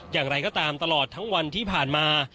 อย่างไรก็ตามตลอดทั้งวันที่ผ่านมา